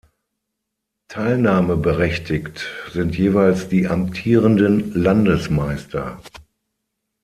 Teilnahmeberechtigt sind jeweils die amtierenden Landesmeister.